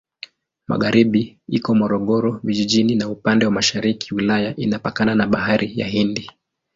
Magharibi iko Morogoro Vijijini na upande wa mashariki wilaya inapakana na Bahari ya Hindi.